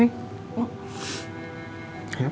ayok pelan pelan yuk